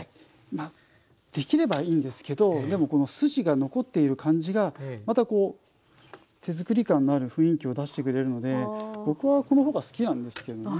まあできればいいんですけどでもこの筋が残っている感じがまたこう手作り感のある雰囲気を出してくれるので僕はこのほうが好きなんですけどね。